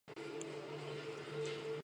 紫缨乳菀是菊科紫菀属的植物。